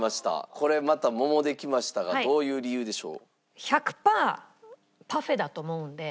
これまた桃できましたがどういう理由でしょう？だと思うんで。